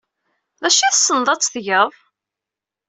D acu ay tessned ad t-tged?